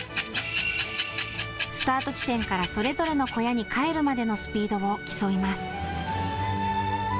スタート地点からそれぞれの小屋に帰るまでのスピードを競います。